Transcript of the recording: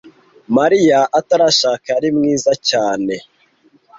Mariya atarashaka, yari mwiza cyane.